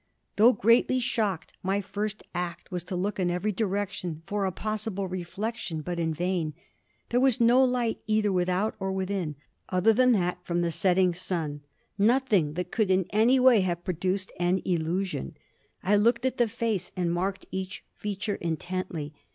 Though greatly shocked, my first act was to look in every direction for a possible reflection but in vain. There was no light either without or within, other than that from the setting sun nothing that could in any way have produced an illusion. I looked at the face and marked each feature intently.